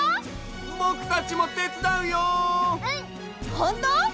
ほんとう？